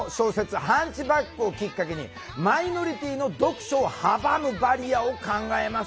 「ハンチバック」をきっかけにマイノリティーの読書を阻むバリアを考えます。